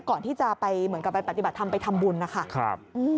ก่อนที่จะไปเหมือนกับไปปฏิบัติธรรมไปทำบุญนะคะ